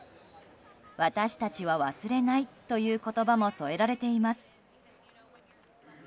「私たちは忘れない」という言葉も添えられています。